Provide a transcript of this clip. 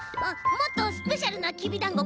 もっとスペシャルなきびだんご